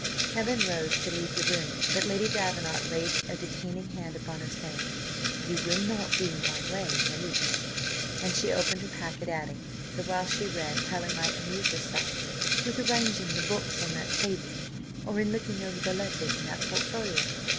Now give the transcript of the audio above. Helen rose to leave the room, but Lady Davenant laid a detaining hand upon her, saying, "You will not be in my way in the least;" and she opened her packet, adding, that while she read, Helen might amuse herself "with arranging the books on that table, or in looking over the letters in that portfolio."